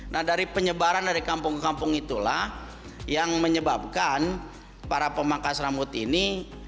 nah dari penyebaran dari kampung ke kampung itulah yang menyebabkan para pemangkas rambut ini